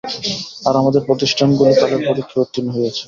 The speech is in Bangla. আর আমাদের প্রতিষ্ঠানগুলি কালের পরীক্ষায় উত্তীর্ণ হইয়াছে।